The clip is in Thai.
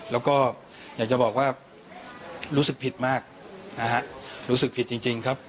แล้วก็อยากจะบอกว่ารู้สึกผิดมากนะฮะรู้สึกผิดจริงครับ